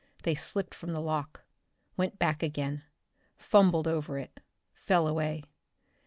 They slipped from the lock, went back again, fumbled over it, fell away.